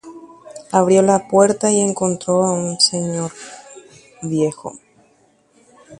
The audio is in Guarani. Oipe'a okẽ ha ojuhu upépe peteĩ karai tujamíme.